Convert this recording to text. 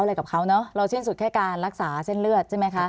อะไรกับเขาเนอะเราสิ้นสุดแค่การรักษาเส้นเลือดใช่ไหมคะ